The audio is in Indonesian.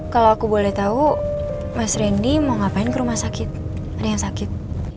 kalau aku boleh tahu mas randy mau ngapain ke rumah sakit ada yang sakit